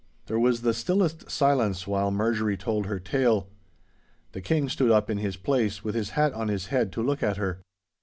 There was the stillest silence while Marjorie told her tale. The King stood up in his place, with his hat on his head, to look at her.